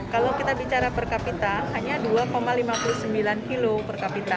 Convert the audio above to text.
kalau kita bicara per kapita hanya dua lima puluh sembilan kilo per kapita